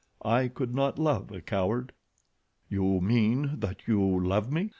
I could not love a coward." "You mean that you love me?"